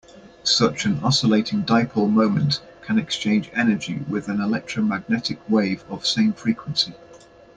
Such an oscillating dipole moment can exchange energy with an electromagnetic wave of same frequency.